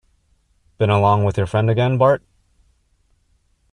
Been along with your friend again, Bart?